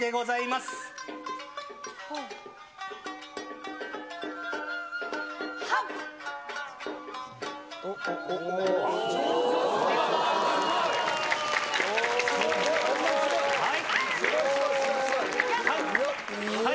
すごい。